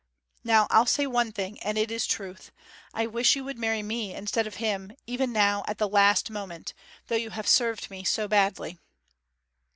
Now I'll say one thing; and it is truth: I wish you would marry me instead of him, even now, at the last moment, though you have served me so badly.'